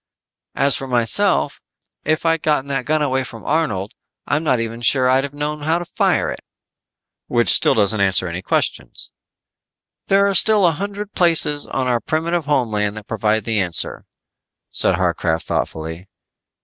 As for myself, if I'd of gotten that gun away from Arnold, I'm not even sure I'd have known how to fire it." "Which still doesn't answer any questions." "There are still a hundred places on our primitive homeland that provide the answer," said Harcraft thoughtfully.